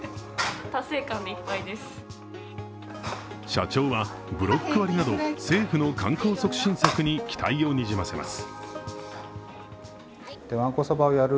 社長はブロック割など政府の観光促進策に期待をにじませます。